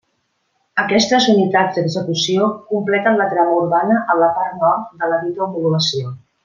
Aquestes unitats d'execució completen la trama urbana en la part nord de la dita homologació.